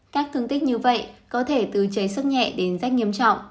các thương tích như vậy có thể từ cháy sức nhẹ đến rất nghiêm trọng